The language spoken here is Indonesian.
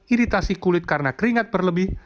iritasi kulit karena keringat berlebih